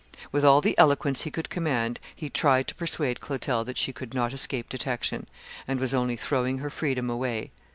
With all the eloquence he could command, he tried to persuade Clotel that she could not escape detection, and was only throwing her freedom away.